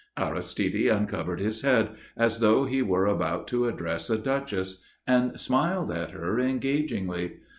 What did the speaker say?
Aristide uncovered his head, as though he were about to address a duchess, and smiled at her engagingly.